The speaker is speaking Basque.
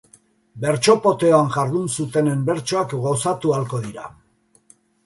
Bertso-poteoan jardun zutenen bertsoak gozatu ahalko dira.